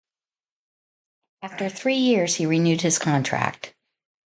After three years he renewed his contract.